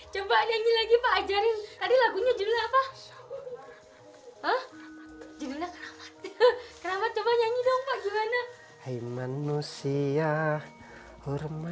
coba nyanyi lagi pak ajarin tadi lagunya judulnya apa